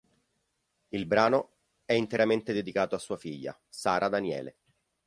Il brano è interamente dedicato a sua figlia: Sara Daniele.